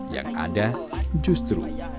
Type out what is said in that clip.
yang ada justru